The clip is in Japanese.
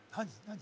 何？